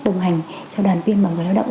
đồng hành cho đoàn viên và người lao động